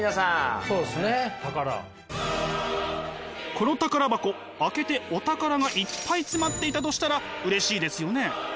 この宝箱開けてお宝がいっぱい詰まっていたとしたらうれしいですよね？